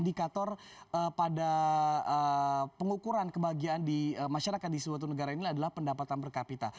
indikator pada pengukuran kebahagiaan di masyarakat di suatu negara ini adalah pendapatan per kapita